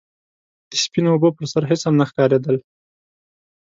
د سپينو اوبو پر سر هيڅ هم نه ښکارېدل.